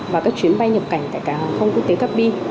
và các chuyến bay nhập cảnh tại cảng không quốc tế cáp bi